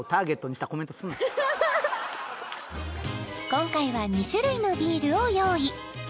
今回は２種類のビールを用意